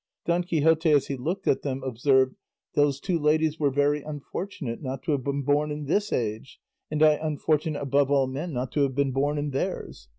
Don Quixote as he looked at them observed, "Those two ladies were very unfortunate not to have been born in this age, and I unfortunate above all men not to have been born in theirs.